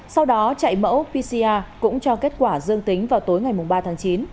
sau đó chạy mẫu pcr cũng cho kết quả dương tính vào tối ngày ba tháng chín